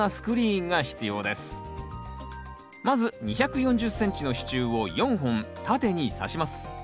まず２４０ｃｍの支柱を４本縦にさします